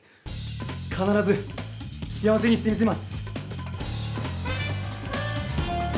かならず幸せにしてみせます！